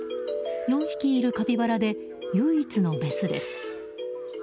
４匹いるカピバラで唯一のメスです。